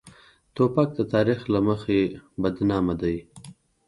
توپک د تاریخ له مخې بدنامه ده.